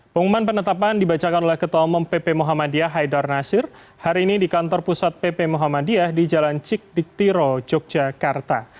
pengumuman penetapan dibacakan oleh ketua umum pp muhammadiyah haidar nasir hari ini di kantor pusat pp muhammadiyah di jalan cik diktiro yogyakarta